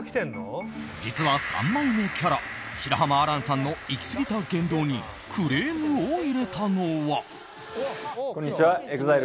実は三枚目キャラ白濱亜嵐さんの行き過ぎた言動にクレームを入れたのは。